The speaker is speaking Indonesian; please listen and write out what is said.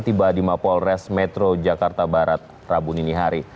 tiba di mapolres metro jakarta barat rabu ninihari